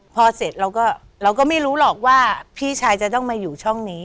พอเสร็จเราก็เราก็ไม่รู้หรอกว่าพี่ชายจะต้องมาอยู่ช่องนี้